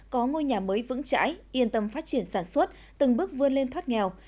có ngôi nhà mới vững chãi yên tâm phát triển sản xuất từng bước vươn lên thoát nghèo